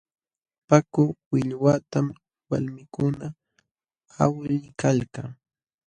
Paku willwatam walmikuna awliykalka.